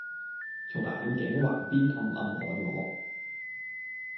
從眼鏡橫邊暗暗看我。